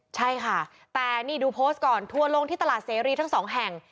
ใช่ค่ะแต่นี่ดูโพสต์ก่อนทัวร์ลงที่ตลาดเสรีทั้งสองแห่ง